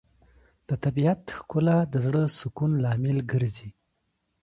د طبیعت ښکلا د زړه سکون لامل ګرځي.